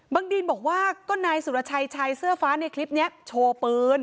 ดีนบอกว่าก็นายสุรชัยชายเสื้อฟ้าในคลิปนี้โชว์ปืน